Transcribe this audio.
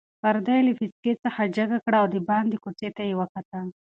پرده یې له پیڅکې څخه جګه کړه او د باندې کوڅې ته یې وکتل.